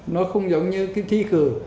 nó không giống như cái thi cửa